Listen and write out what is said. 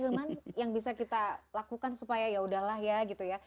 hilman yang bisa kita lakukan supaya yaudahlah ya gitu ya